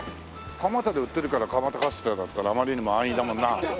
蒲田で売ってるから蒲田カステラだったらあまりにも安易だもんな。